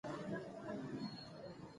ایا تاسو سونا ته تلل غواړئ؟